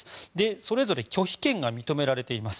それぞれ拒否権が認められています。